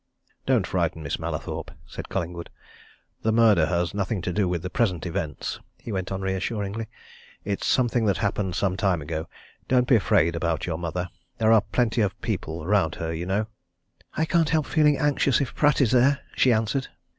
"Don't frighten Miss Mallathorpe," said Collingwood. "The murder has nothing to do with present events," he went on reassuringly. "It's something that happened some time ago. Don't be afraid about your mother there are plenty of people round her, you know." "I can't help feeling anxious if Pratt is there," she answered.